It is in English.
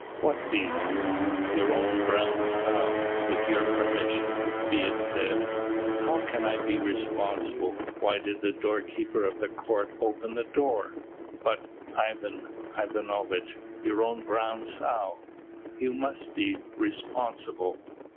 "What beast?" "Your own brown sow, with your permission, be it said." "How can I be responsible? Why did the door keeper of the court open the door?" "But, Ivan Ivanovitch, your own brown sow. You must be responsible."